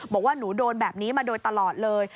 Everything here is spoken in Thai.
บอกว่าหนูโดนแบบนี้มาโดยตลอดเลย